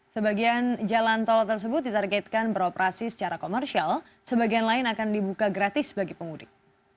sebagian jalan tol tersebut ditargetkan beroperasi secara komersial sebagian lain akan dibuka gratis bagi pemudik